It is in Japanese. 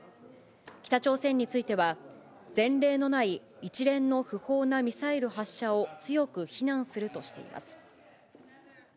北朝鮮については、前例のない一連の不法なミサイル発射を強く非難するとしています。